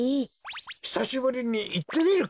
ひさしぶりにいってみるか？